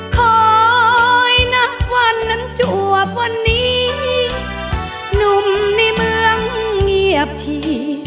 คอยนะวันนั้นจวบวันนี้หนุ่มในเมืองเงียบที